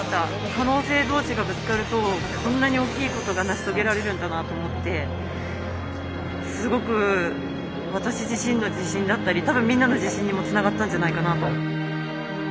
可能性同士がぶつかるとこんなに大きいことが成し遂げられるんだなと思ってすごく私自身の自信だったり多分みんなの自信にもつながったんじゃないかなと。